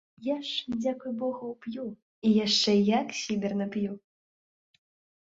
Я ж, дзякуй богу, п'ю, і яшчэ як сіберна п'ю!